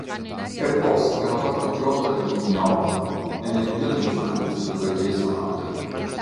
È posta nella parte più alta di Pignola nelle immediate vicinanze della Chiesa Madre.